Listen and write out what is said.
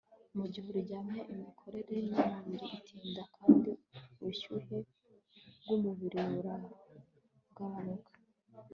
Mugihe uryamye imikorere yumubiri itinda kandi ubushyuhe bwumubiri buragabanuka